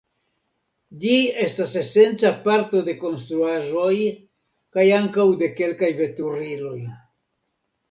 Ĝi estas esenca parto de konstruaĵoj kaj ankaŭ de kelkaj veturiloj.